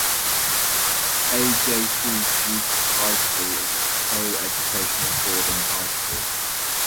A. J. C. Jooste High School is a coeducational boarding high school.